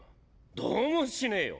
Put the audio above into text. どうもしねぇよ。